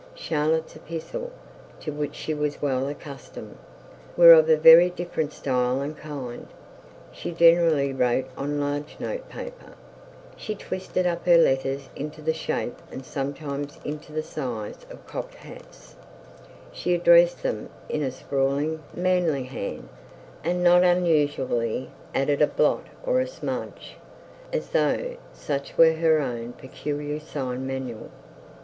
Charlotte's epistles, to which she was well accustomed, were of a very different style and kind. She generally wrote on large note paper; she twisted up her letter into the shape and sometimes into the size of cocked hats; she addressed them in a sprawling manly hand, and not unusually added a blot or a smudge, as though such were her own peculiar sign manual.